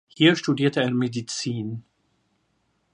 Hier studierte er Medizin.